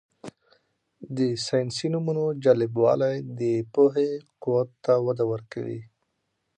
د ساینسي نومونو جالبوالی د پوهې قوت ته وده ورکوي.